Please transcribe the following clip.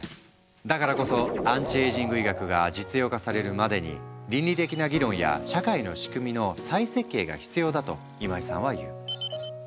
だからこそアンチエイジング医学が実用化されるまでに倫理的な議論や社会の仕組みの再設計が必要だと今井さんは言う。